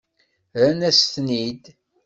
Rran-as-ten-id.